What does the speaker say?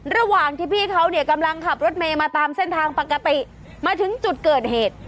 ระหว่างที่พี่เขาเนี่ยกำลังขับรถเมย์มาตามเส้นทางปกติมาถึงจุดเกิดเหตุ